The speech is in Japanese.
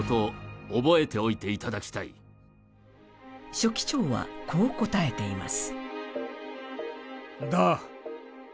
書記長はこう応えています。